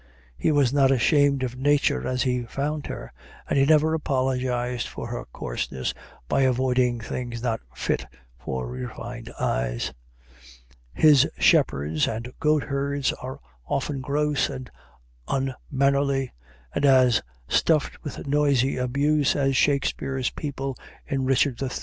He was not ashamed of Nature as he found her, and he never apologized for her coarseness by avoiding things not fit for refined eyes. His shepherds and goat herds are often gross and unmannerly, and as stuffed with noisy abuse as Shakespeare's people in "Richard III."